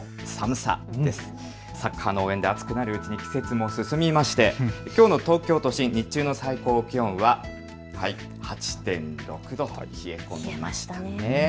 サッカーの応援で熱くなるうちに季節も進みまして、きょうの東京都心日中の最高気温は８．６度、冷え込みました。